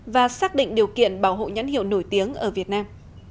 và xác định điều kiện bảo hộ nhãn hiệu nổi tiếng ở việt nam